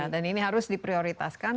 dan ini harus diprioritaskan